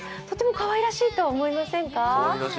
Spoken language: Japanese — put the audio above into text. とてもかわいらしいと思いませんか？